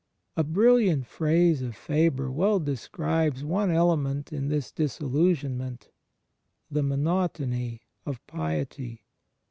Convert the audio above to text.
A brilliant phrase of Faber well describes one element in this Disillusionment — the "monotony of Kety."